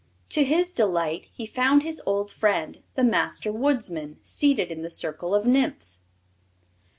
To his delight he found his old friend, the Master Woodsman, seated in the circle of Nymphs.